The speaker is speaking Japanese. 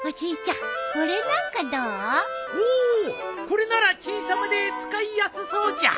これなら小さめで使いやすそうじゃ。